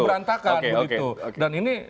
baru agak berantakan dan ini